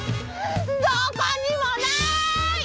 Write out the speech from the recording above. どこにもない！